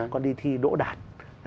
con đi thi đỗ đạt